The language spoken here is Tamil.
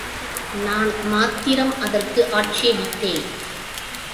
நான் மாத்திரம் அதற்கு ஆட்சேபித்தேன்.